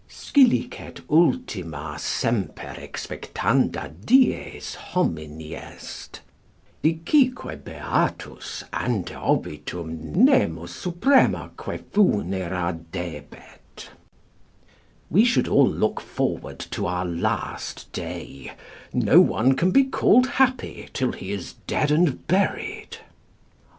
] "Scilicet ultima semper Exspectanda dies homini est; dicique beatus Ante obitum nemo supremaque funera debet." ["We should all look forward to our last day: no one can be called happy till he is dead and buried."